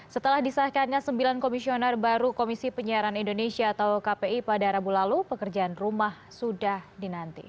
setelah disahkannya sembilan komisioner baru komisi penyiaran indonesia atau kpi pada rabu lalu pekerjaan rumah sudah dinanti